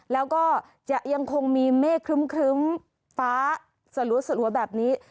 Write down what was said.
แล้วก็จะยังคงมีเมฆครึ้มฟ้าสลัวแบบนี้